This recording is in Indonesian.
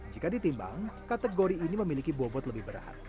jika ditimbang kategori ini memiliki bobot lebih berat